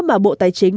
mà bộ tài chính